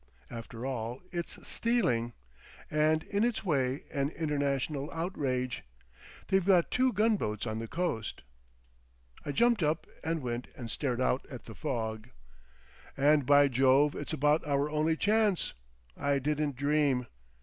After all—it's stealing, and in its way an international outrage. They've got two gunboats on the coast." I jumped up and went and stared out at the fog. "And, by Jove, it's about our only chance! I didn't dream."